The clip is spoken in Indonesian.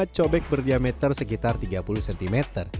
dua cobek berdiameter sekitar tiga puluh cm